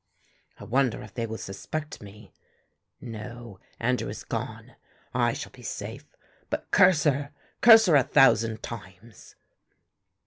"I wonder if they will suspect me? No, Andrew is gone. I shall be safe; but curse her, curse her a thousand times."